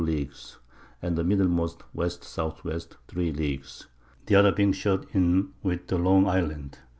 2 Leagues; and the middlemost W. S. W. 3 Leagues: The other being shut in with the long Island.